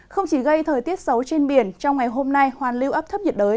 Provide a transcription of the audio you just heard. không chỉ gây thời tiết xấu trên biển trong ngày hôm nay hoàn lưu áp thấp nhiệt đới